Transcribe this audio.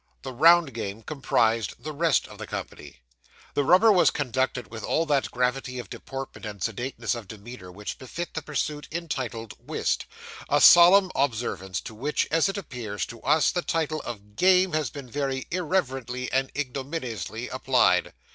The round game comprised the rest of the company. The rubber was conducted with all that gravity of deportment and sedateness of demeanour which befit the pursuit entitled 'whist' a solemn observance, to which, as it appears to us, the title of 'game' has been very irreverently and ignominiously applied.